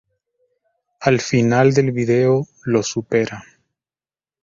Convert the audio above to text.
Al final del video, lo supera.